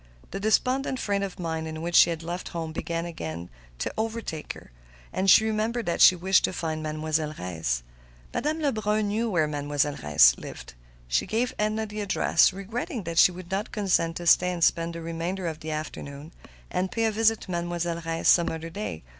The despondent frame of mind in which she had left home began again to overtake her, and she remembered that she wished to find Mademoiselle Reisz. Madame Lebrun knew where Mademoiselle Reisz lived. She gave Edna the address, regretting that she would not consent to stay and spend the remainder of the afternoon, and pay a visit to Mademoiselle Reisz some other day.